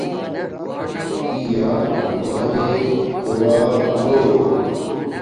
پیا مایے دعا لو